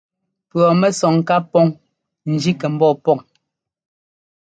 Pʉ̈ɔmɛsɔŋ ká pɔŋ njí kɛ ḿbɔɔ pɔŋ.